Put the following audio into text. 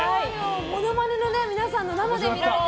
ものまねの皆さんの生で見られて。